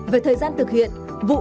về thời gian thực hiện vụ